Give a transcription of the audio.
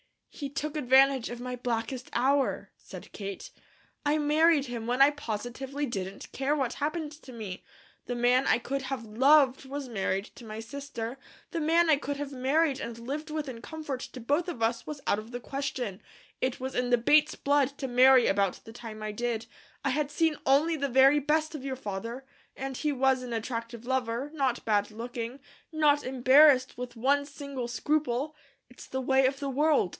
"He took advantage of my blackest hour," said Kate. "I married him when I positively didn't care what happened to me. The man I could have LOVED was married to my sister, the man I could have married and lived with in comfort to both of us was out of the question; it was in the Bates blood to marry about the time I did; I had seen only the very best of your father, and he was an attractive lover, not bad looking, not embarrassed with one single scruple it's the way of the world.